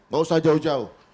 gak usah jauh jauh